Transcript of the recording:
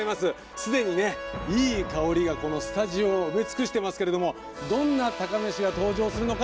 すでに、いい香りがこのスタジオを埋め尽くしておりますけどもどんな宝メシが登場するのか